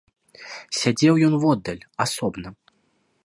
Сядзеў ён воддаль, асобна.